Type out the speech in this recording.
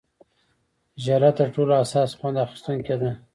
ژله تر ټولو حساس خوند اخیستونکې ده.